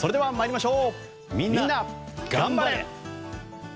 みんながん晴れ！